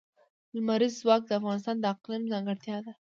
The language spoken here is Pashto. لمریز ځواک د افغانستان د اقلیم ځانګړتیا ده.